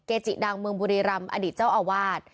จิดังเมืองบุรีรำอดีตเจ้าอาวาส